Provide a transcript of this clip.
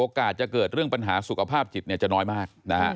จะเกิดเรื่องปัญหาสุขภาพจิตจะน้อยมาก